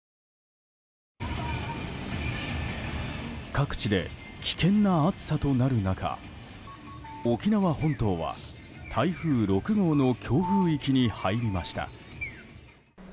各地で危険な暑さとなる中沖縄本島は台風６号の強風域に入りました。